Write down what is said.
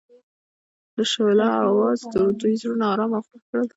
د شعله اواز د دوی زړونه ارامه او خوښ کړل.